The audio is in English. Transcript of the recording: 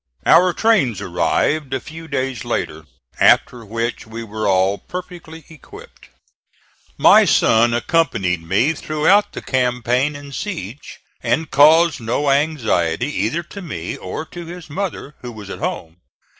Our trains arrived a few days later, after which we were all perfectly equipped. My son accompanied me throughout the campaign and siege, and caused no anxiety either to me or to his mother, who was at home.